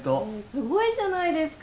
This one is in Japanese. すごいじゃないですか！